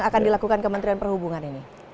akan dilakukan kementerian perhubungan ini